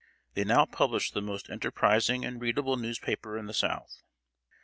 They now published the most enterprising and readable newspaper in the South.